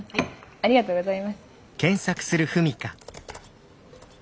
ありがとうございます。